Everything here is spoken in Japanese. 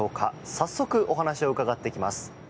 早速、お話を伺っていきます。